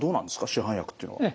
市販薬っていうのは。